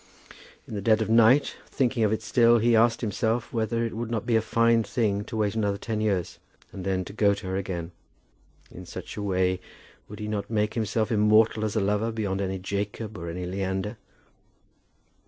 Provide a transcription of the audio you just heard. In the dead of the night, thinking of it still, he asked himself whether it would not be a fine thing to wait another ten years, and then go to her again. In such a way would he not make himself immortal as a lover beyond any Jacob or any Leander?